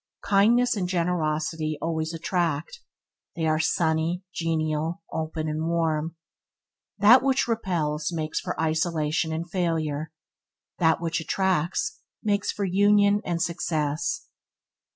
Kindness and generosity always attack; they are sunny, genial, open, and warm. That which repels makes for isolation and failure; that which attracts makes for union and success.